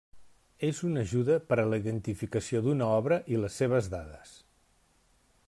És una ajuda per a la identificació d'una obra i les seves dades.